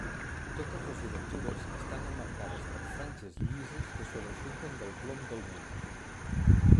Totes les obertures estan emmarcades per franges llises que sobresurten del plom del mur.